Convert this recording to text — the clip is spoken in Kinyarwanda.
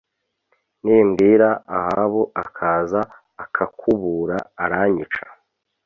Nimbwira Ahabu akaza akakubura aranyica